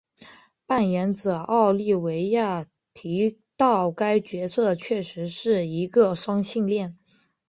扮演者奥利维亚提到该角色确实是一个双性恋。